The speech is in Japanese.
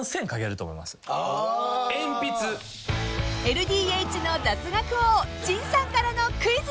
［ＬＤＨの雑学王陣さんからのクイズ］